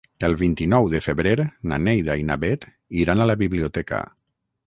El vint-i-nou de febrer na Neida i na Bet iran a la biblioteca.